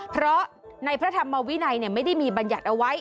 เพราะในพธมวินัยไม่ได้มีบัญญัตณ์เอาไว้